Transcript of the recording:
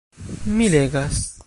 Mi legas.